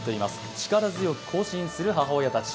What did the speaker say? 力強く行進する母親たち。